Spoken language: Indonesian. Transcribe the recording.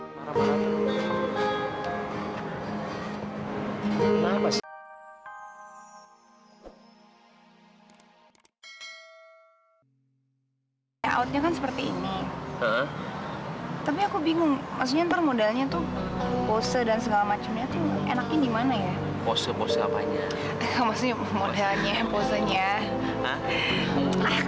maaf mbak saya benar benar keadaan jamu mbak